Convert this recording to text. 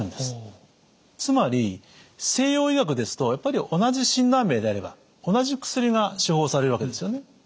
つまり西洋医学ですとやっぱり同じ診断名であれば同じ薬が処方されるわけですよね。